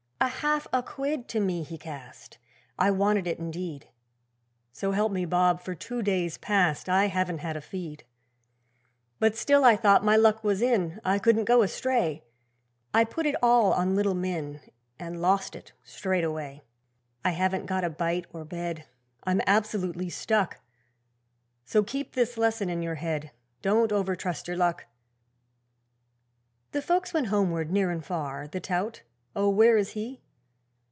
'A half a quid to me he cast, I wanted it indeed. So help me Bob, for two days past I haven't had a feed. 'But still I thought my luck was in, I couldn't go astray, I put it all on Little Min, And lost it straightaway. 'I haven't got a bite or bed, I'm absolutely stuck, So keep this lesson in your head: Don't over trust your luck!' The folks went homeward, near and far, The tout, Oh! where was he?